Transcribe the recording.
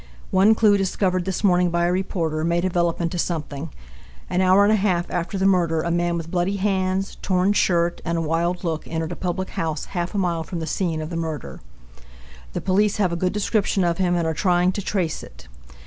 One clue discovered this morning by a reporter may develop into something. An hour and a half after the murder a man with bloody hands, torn shirt, and a wild look entered a public house half a mile from the scene of the murder. The police have a good description of him and are trying to trace it.